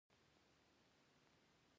هغوی د سفر پر لرګي باندې خپل احساسات هم لیکل.